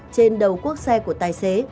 trên đầu cuốc xe của tài xế